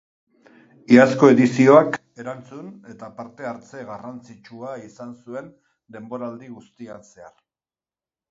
Iazko edizioak erantzun eta parte hartze garrantzitsua izan zuen denboraldi guztian zehar.